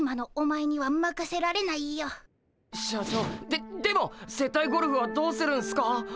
ででも接待ゴルフはどうするんすか？